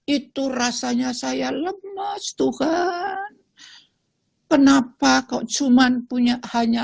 itu rasanya saya lemas tuhan kenapa kau cuman punya hanya